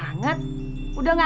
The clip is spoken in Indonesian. aku inginarin banyak bantuan